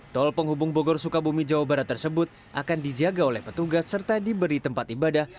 tol penghubung bogor sukabumi jawa barat tersebut akan dijaga oleh petugas serta diberi tempat ibadah